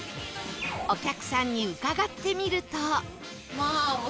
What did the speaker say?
お客さんに伺ってみると